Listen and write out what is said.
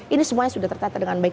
ini semuanya sudah tertata dengan baik